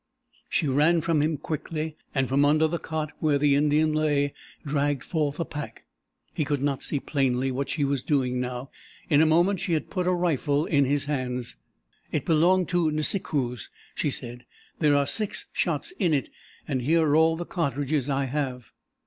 She ran from him quickly and from under the cot where the Indian lay dragged forth a pack. He could not see plainly what she was doing now. In a moment she had put a rifle in his hands. "It belonged to Nisikoos," she said. "There are six shots in it, and here are all the cartridges I have."